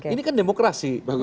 ini kan demokrasi